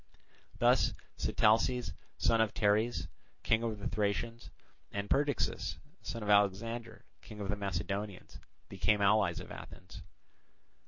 Thus Sitalces, son of Teres, King of the Thracians, and Perdiccas, son of Alexander, King of the Macedonians, became allies of Athens.